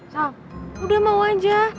sal udah mau aja